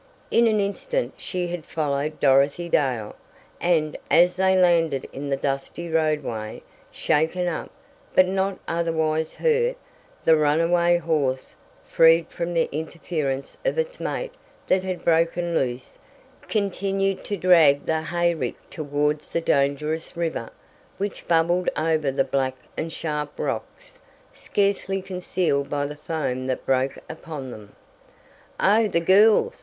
In an instant she had followed Dorothy Dale, and, as they landed in the dusty roadway, shaken up, but not otherwise hurt, the runaway horse, freed from the interference of its mate that had broken loose, continued to drag the hayrick toward the dangerous river, which bubbled over the black and sharp rocks, scarcely concealed by the foam that broke upon them. "Oh, the girls!